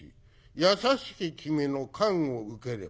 優しき君の看護受ければ」。